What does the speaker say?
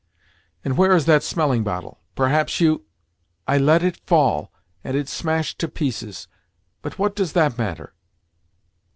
"And where is that smelling bottle? Perhaps you—?" "I let it fall, and it smashed to pieces; but what does that matter?"